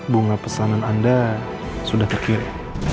bunga pesanan anda sudah terkirim